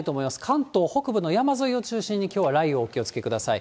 関東北部の山沿いを中心にきょうは雷雨、お気をつけください。